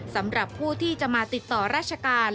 สำหรับผู้ที่จะมาติดต่อราชการ